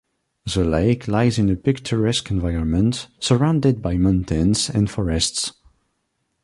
The lake lies in a picturesque environment, surrounded by mountains and forests.